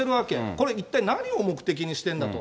これ、一体何を目的にしてるんだと。